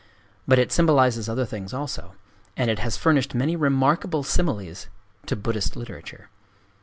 But it symbolizes other things also; and it has furnished many remarkable similes to Buddhist literature.